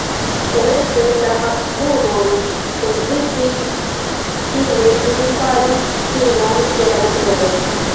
Komence la Habsburgoj hezitis, fine ili faris finon de la ribelo.